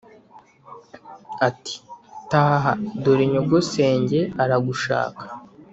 ati:taha dore nyogosenge aragushaka